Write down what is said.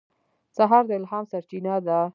سهار د الهام سرچینه ده.